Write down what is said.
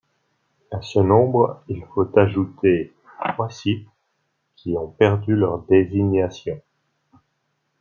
À ce nombre, il faut ajouter aussi trois sites qui ont perdu leur désignation.